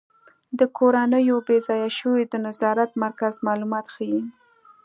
د کورنیو بې ځایه شویو د نظارت مرکز معلومات ښيي.